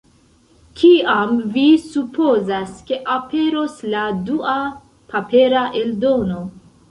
Kiam vi supozas, ke aperos la dua papera eldono?